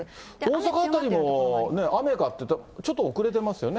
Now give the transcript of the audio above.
大阪辺りも、雨かっていうと、ちょっと遅れてますよね。